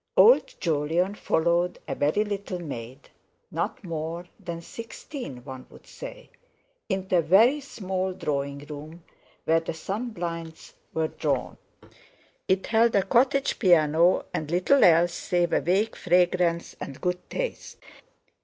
Old Jolyon followed a very little maid—not more than sixteen one would say—into a very small drawing room where the sun blinds were drawn. It held a cottage piano and little else save a vague fragrance and good taste.